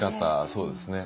そうですね。